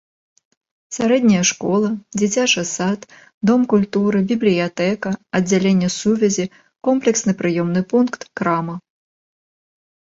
Сярэдняя школа, дзіцячы сад, дом культуры, бібліятэка, аддзяленне сувязі, комплексны прыёмны пункт, крама.